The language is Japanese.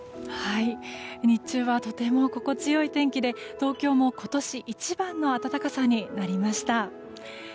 日中はとても心地よい天気で東京も今年一番の暖かさになりました。